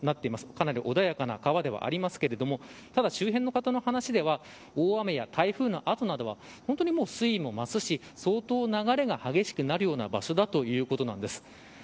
かなり穏やかな川ではありますがただ周辺の方の話では大雨や台風の後などは本当に水位も増すし相当流れが激しくなるような場所だということなんです。